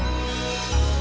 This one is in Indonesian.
kamu sudah menemukan anissa